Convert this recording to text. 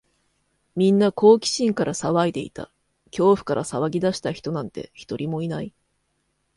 みんな好奇心から騒いでいた。恐怖から騒ぎ出した人なんて、一人もいない。